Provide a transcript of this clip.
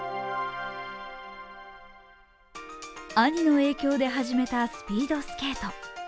兄の影響で始めたスピードスケート。